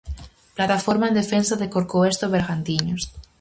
Plataforma en defensa de Corcoesto e Bergantiños.